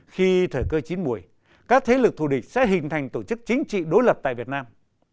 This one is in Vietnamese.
khi thời cơ chín mùi các thế lực thù địch sẽ hình thành tổ chức chính trị đối lập tại việt nam